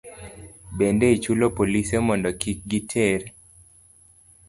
Bende, ichulo polise mondo kik giter